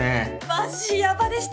マジやばでした！